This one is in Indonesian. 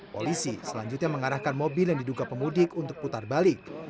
polisi selanjutnya mengarahkan mobil yang diduga pemudik untuk putar balik